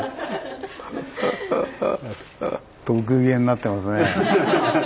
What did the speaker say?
得意げになってますね。